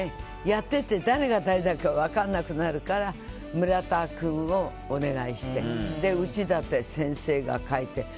やっていて誰が誰だか分からなくなるから村田君をお願いして内館先生が書いて。